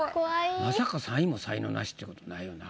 まさか３位も才能ナシってことないよな。